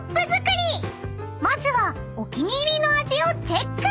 ［まずはお気に入りの味をチェック！］